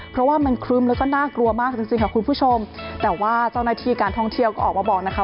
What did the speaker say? เพราะว่ามันครึ้มแล้วก็น่ากลัวมากจริงจริงค่ะคุณผู้ชมแต่ว่าเจ้าหน้าที่การท่องเที่ยวก็ออกมาบอกนะคะ